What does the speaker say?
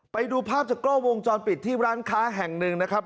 ไปดูภาพจากกล้อวงจรปิดที่ร้านค้าแห่งหนึ่งนะครับ